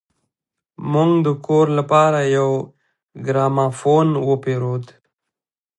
موږ د کور لپاره يو ګرامافون وپېرود.